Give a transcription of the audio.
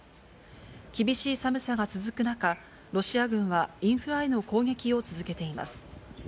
厳しい寒さが続く中、ロシア軍はインフラへの攻撃を続けています。